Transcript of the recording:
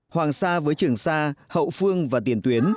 hoàng sa với trường sa hậu phương và tiền tuyến